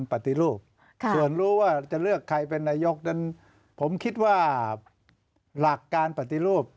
ปฏิรูปส่วนรู้ว่าจะเลือกใครเป็นนายกนั้นผมคิดว่าหลักการปฏิรูป